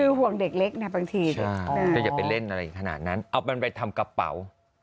คือห่วงเด็กเล็กนะบางทีก็อย่าไปเล่นอะไรขนาดนั้นเอามันไปทำกระเป๋า